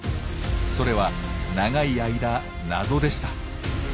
それは長い間謎でした。